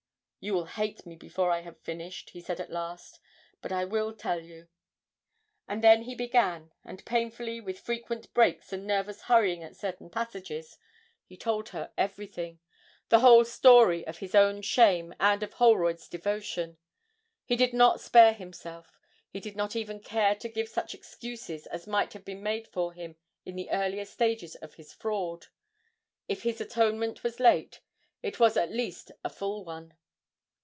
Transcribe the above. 'You will hate me before I have finished,' he said at last, 'but I will tell you.' And then he began, and painfully, with frequent breaks and nervous hurrying at certain passages, he told her everything the whole story of his own shame and of Holroyd's devotion. He did not spare himself; he did not even care to give such excuses as might have been made for him in the earlier stages of his fraud. If his atonement was late, it was at least a full one.